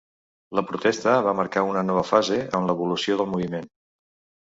La protesta va marcar una nova fase en l'evolució del moviment.